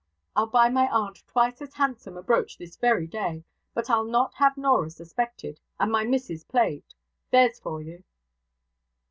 I'll buy my aunt twice as handsome a brooch this very day; but I'll not have Norah suspected, and my missus plagued. There's for you!'